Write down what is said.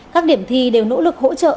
các điểm thi đều nỗ lực hỗ trợ